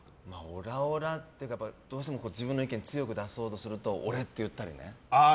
オラオラというか、どうしても自分の意見強く出そうとすると俺って言ったりね。